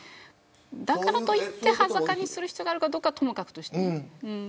だからといって裸にする必要があるかはともかくとして。